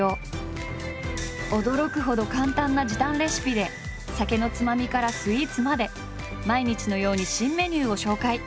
驚くほど簡単な時短レシピで酒のつまみからスイーツまで毎日のように新メニューを紹介。